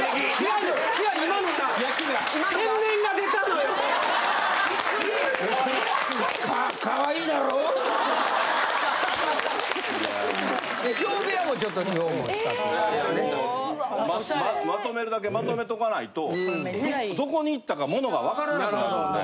いやいやもうまとめるだけまとめとかないとどこにいったか物が分からなくなるんで。